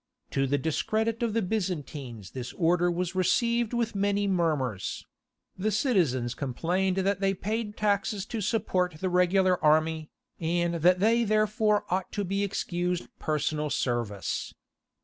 To the discredit of the Byzantines this order was received with many murmurs: the citizens complained that they paid taxes to support the regular army, and that they therefore ought to be excused personal service.